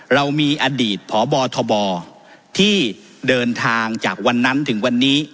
เรามีอดีตพบทบที่เดินทางจากวันนั้นถึงวันนี้